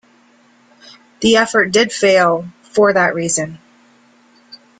The effort did fail, for that reason.